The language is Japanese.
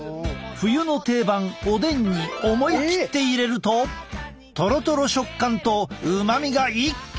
冬の定番おでんに思い切って入れるととろとろ食感とうまみが一気に楽しめる！